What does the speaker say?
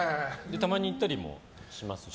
たまに行ったりもしますし。